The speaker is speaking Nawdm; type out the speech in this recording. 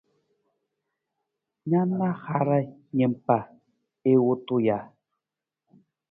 Na na hara niimpa i wutu ja?